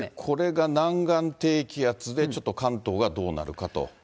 これが南岸低気圧で、ちょっと関東がどうなるかと。